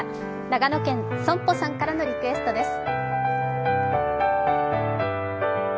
長野県、ソンポさんからのリクエストです。